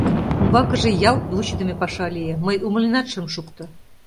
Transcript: Умбакыже ялт вучыдымо паша лие, мый умыленат шым шукто.